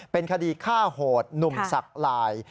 เป็นคดีฆ่าโหดหนุ่มศักดิ์ลาย